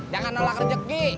jangan nolak rezeki